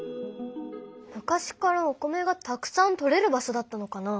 昔からお米がたくさんとれる場所だったのかな？